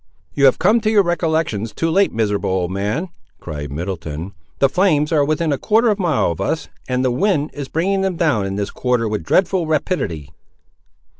"You have come to your recollections too late, miserable old man," cried Middleton; "the flames are within a quarter of a mile of us, and the wind is bringing them down in this quarter with dreadful rapidity."